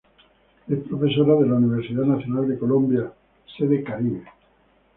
Es profesora de la Universidad Nacional de Colombia, sede Caribe.